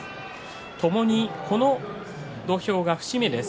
ともにこの土俵が節目です。